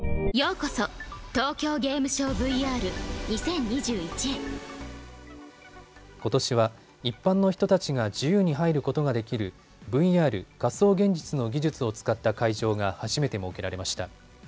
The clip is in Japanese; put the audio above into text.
ことしは一般の人たちが自由に入ることができるＶＲ・仮想現実の技術を使った会場が初めて設けられました。